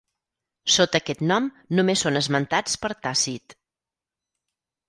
Sota aquest nom només són esmentats per Tàcit.